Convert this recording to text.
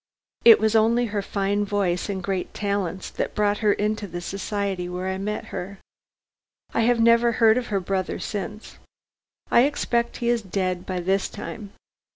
It was only her fine voice and great talents that brought her into the society where I met her. I have never heard of her brother since. I expect he is dead by this time.